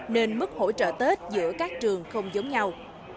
nên mức hỗ trợ tết giữa các trường không giống nhau